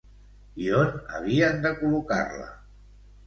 I on havien de col·locar-la?